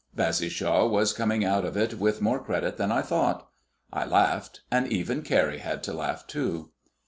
Bassishaw was coming out of it with more credit than I thought. I laughed, and even Carrie had to laugh too.